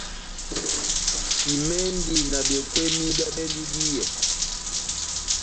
Simɛndi na bekweni bia bendi díyɛ.